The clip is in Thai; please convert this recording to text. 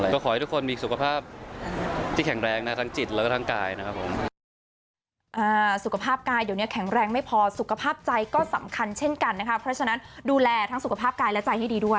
ก็ขอให้ทุกคนมีสุขภาพที่แข็งแรงนะทั้งจิตแล้วก็ทั้งกายนะครับผม